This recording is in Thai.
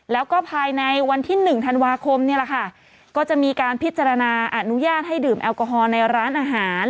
แล้วก็ภายในวันที่๑ธันวาคมนี่แหละค่ะก็จะมีการพิจารณาอนุญาตให้ดื่มแอลกอฮอล์ในร้านอาหาร